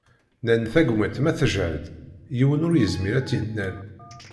Nnan tagmat ma teǧhed, yiwen ur yezmir ad tt-yennal.